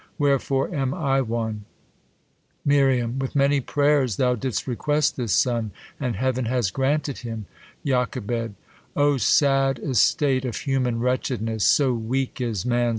Wherefore am I one '? Mir, With many prayers thou didst request this son, And Heav'n has granted him. . Jack, O sad estate Of human wretchedness i so weak is man.